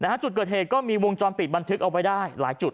จุดเกิดเหตุก็มีวงจรปิดบันทึกเอาไว้ได้หลายจุด